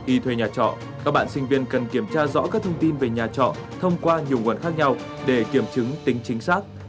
khi thuê nhà trọ các bạn sinh viên cần kiểm tra rõ các thông tin về nhà trọ thông qua nhiều nguồn khác nhau để kiểm chứng tính chính xác